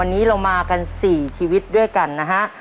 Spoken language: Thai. ในชีวิตด้วยกันนะฮะ